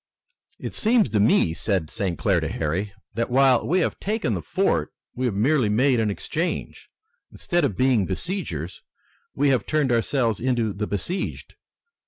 "It seems to me," said St. Clair to Harry, "that while we have taken the fort we have merely made an exchange. Instead of being besiegers we have turned ourselves into the besieged."